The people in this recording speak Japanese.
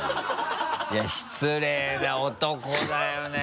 いや失礼な男だよね！